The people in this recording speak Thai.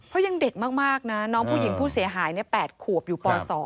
เพราะยังเด็กมากนะน้องผู้หญิงผู้เสียหาย๘ขวบอยู่ป๒